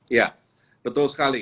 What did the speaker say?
iya betul sekali